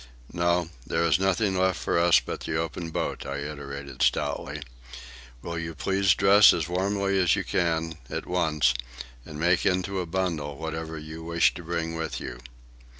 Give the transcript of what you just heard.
"No, there is nothing left for us but the open boat," I iterated stoutly. "Will you please dress as warmly as you can, at once, and make into a bundle whatever you wish to bring with you."